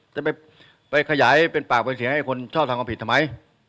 จะไปขยายเป็นปากเป็นเสียงให้คนชอบทำความผิดทำไม